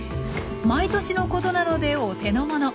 毎年のことなのでお手のもの。